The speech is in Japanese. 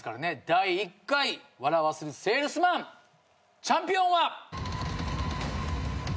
第１回『笑わせるセールスマン』チャンピオンは。